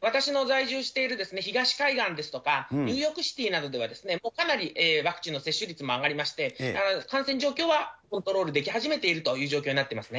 私の在住している東海岸ですとか、ニューヨークシティなどでは、かなりワクチンの接種率も上がりまして、感染状況はコントロールでき始めているという状況になってますね。